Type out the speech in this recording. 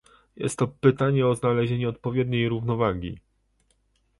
Jest to pytanie o znalezienie odpowiedniej równowagi